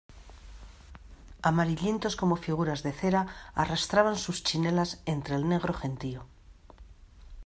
amarillentos como figuras de cera, arrastraban sus chinelas entre el negro gentío